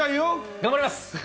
頑張ります。